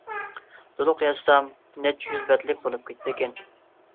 تولۇق يازسام نەچچە يۈز بەتلىك بولۇپ كېتىدىكەن.